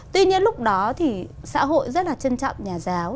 tuy nhiên lúc đó thì xã hội rất là trân trọng nhà giáo